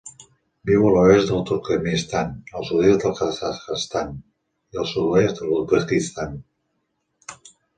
Viu a l'oest del Turkmenistan, el sud-oest del Kazakhstan i el sud-oest de l'Uzbekistan.